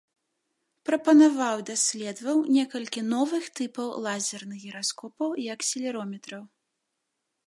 Прапанаваў і даследаваў некалькі новых тыпаў лазерных гіраскопаў і акселерометраў.